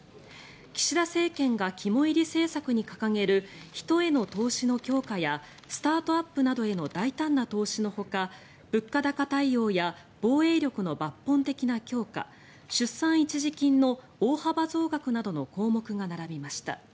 岸田政権が肝煎り政策に掲げる人への投資の強化やスタートアップなどへの大胆な投資のほか物価高対応や防衛力の抜本的な強化出産一時金の大幅増額などの項目が並びました。